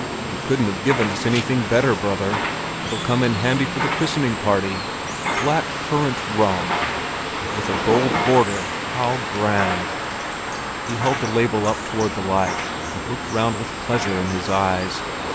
"You couldn't have given us anything better, brother; it'll come in handy for the christening party. 'Black Currant Rum'—and with a gold border—how grand!" He held the label up toward the light, and looked round with pleasure in his eyes.